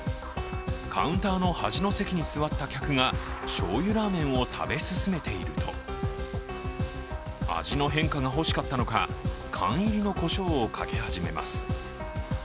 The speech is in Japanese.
カウンターの端の席に座った客がしょうゆラーメンを食べ進めていると味の変化が欲しかったのか缶入りのこしょうをかけ始めます。